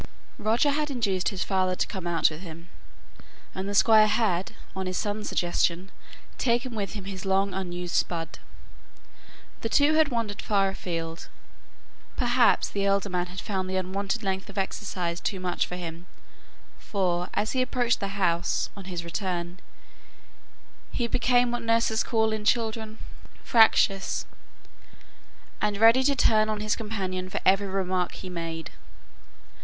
Roger had induced his father to come out with him; and the Squire had, on his son's suggestion, taken with him his long unused spud. The two had wandered far afield; perhaps the elder man had found the unwonted length of exercise too much for him; for, as he approached the house, on his return, he became what nurses call in children "fractious," and ready to turn on his companion for every remark he made.